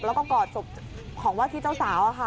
แล้วก็กอดศพของว่าที่เจ้าสาวค่ะ